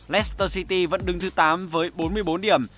nesster city vẫn đứng thứ tám với bốn mươi bốn điểm